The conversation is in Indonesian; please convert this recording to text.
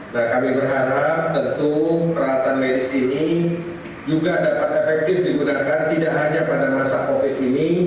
nah kami berharap tentu peralatan medis ini juga dapat efektif digunakan tidak hanya pada masa covid ini